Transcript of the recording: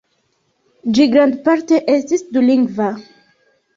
Ĝi grandparte estis dulingva.